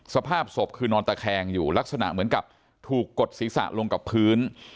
สภาพศพคือนอนตะแคงอยู่ลักษณะเหมือนกับถูกกดศีรษะลงกับพื้น